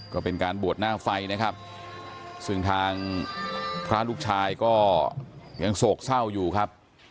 ก็เป็นการบวชหน้าไฟนะครับซึ่งทางพระลูกชายก็ยังโศกเศร้าอยู่ครับ